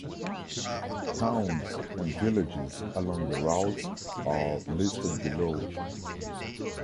Towns and villages along the routes are listed below.